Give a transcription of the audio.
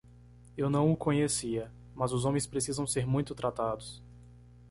Eu não o conhecia, mas os homens precisam ser muito tratados.